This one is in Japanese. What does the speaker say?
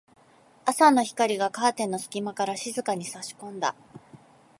朝の光がカーテンの隙間から静かに差し込んだ。